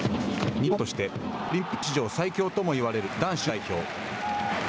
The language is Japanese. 日本としてオリンピック史上最強ともいわれる男子の代表。